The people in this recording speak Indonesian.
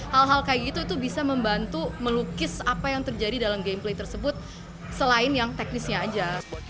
hal hal kayak gitu itu bisa membantu melukis apa yang terjadi dalam game play tersebut selain yang teknisnya aja